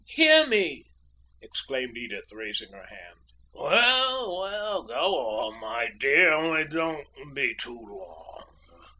"Hear me!" exclaimed Edith, raising her hand. "Well, well, go on, my dear, only don't be too long!